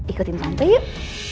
ikutin tante yuk